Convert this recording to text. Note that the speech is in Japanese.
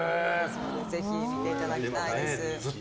ぜひ見ていただきたいです。